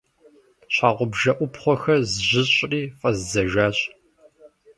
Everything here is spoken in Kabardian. Щхьэгъубжэ ӏупхъуэхэр зжьыщӏри фӏэздзэжащ.